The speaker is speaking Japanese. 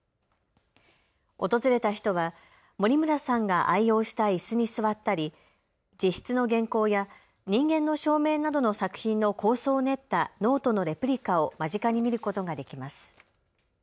訪れた人は森村さんが愛用したいすに座ったり自筆の原稿や人間の証明などの作品の構想を練ったノートのレプリカを間近に見ることができます。